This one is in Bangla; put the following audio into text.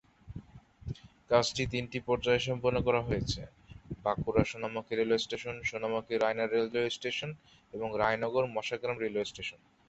কাজটি তিনটি পর্যায়ে সম্পন্ন করা হয়েছে: বাঁকুড়া-সোনামুখী রেলওয়ে স্টেশন, সোনামুখি-রায়নার রেলওয়ে স্টেশন, এবং রায়নগর-মসাগ্রাম রেলওয়ে স্টেশন।